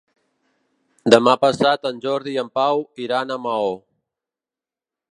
Demà passat en Jordi i en Pau iran a Maó.